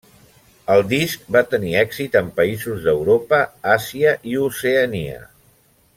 El disc va tenir èxit en països d'Europa, Àsia i Oceania.